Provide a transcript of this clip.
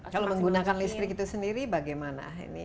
kalau menggunakan listrik itu sendiri bagaimana ini